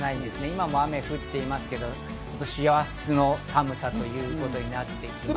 今も雨降っていますけど、師走の寒さということになっていきます。